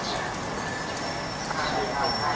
สวัสดีครับ